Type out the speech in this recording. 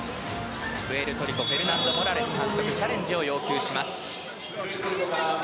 プエルトリコフェルナンド・モラレス監督チャレンジを要求。